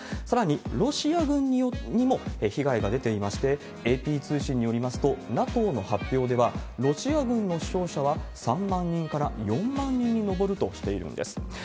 さらに、ロシア軍にも被害が出ていまして、ＡＰ通信によりますと、ＮＡＴＯの発表では、ロシア軍の死傷者は３万人から４万人に上るとしているんです。